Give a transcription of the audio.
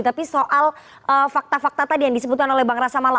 tapi soal fakta fakta tadi yang disebutkan oleh bang rasa mala